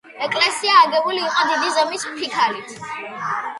ეკლესია აგებული იყო დიდი ზომის ფიქალით.